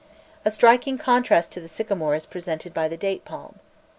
A striking contrast to the sycamore is presented by the date palm.